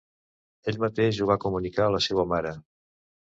Ell mateix ho va comunicar a la seua mare.